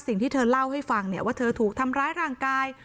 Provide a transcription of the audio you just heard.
สิ่งที่ที่เล่าให้ฟังเฝ้าว่าถูกทำร้ายร่างกาย